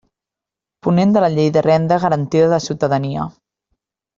Ponent de la Llei de Renda Garantida de Ciutadania.